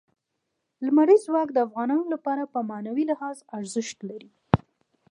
لمریز ځواک د افغانانو لپاره په معنوي لحاظ ارزښت لري.